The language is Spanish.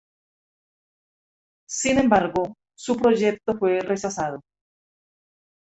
Sin embargo, su proyecto fue rechazado.